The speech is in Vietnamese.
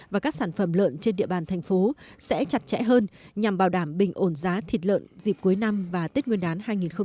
và các sản phẩm lợn trên địa bàn thành phố sẽ chặt chẽ hơn nhằm bảo đảm bình ổn giá thịt lợn dịp cuối năm và tết nguyên đán hai nghìn hai mươi